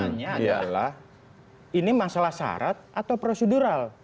pertanyaannya adalah ini masalah syarat atau prosedural